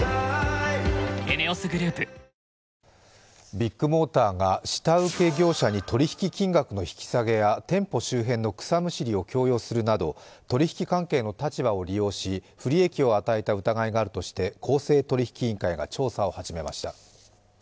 ビッグモーターが下請け業者に取り引き金額の引き下げや店舗周辺の草むしりを強要するなど、取引関係の立場を利用し不利益を与えた疑いがあるとして公正取引委員会が調査を始めました。